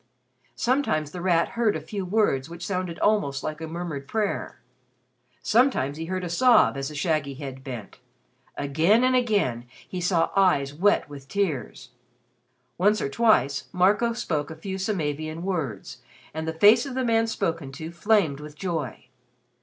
Sometimes The Rat heard a few words which sounded almost like a murmured prayer, sometimes he heard a sob as a shaggy head bent, again and again he saw eyes wet with tears. Once or twice Marco spoke a few Samavian words, and the face of the man spoken to flamed with joy.